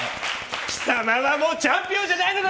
貴様はもうチャンピオンじゃないのだ！